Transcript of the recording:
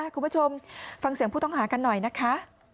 คุณผู้ชมฟังเสียงผู้ต้องหากันหน่อยนะคะ